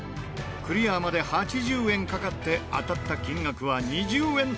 クリアまで８０円かかって当たった金額は２０円という結果に。